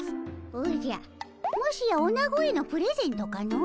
おじゃもしやおなごへのプレゼントかの？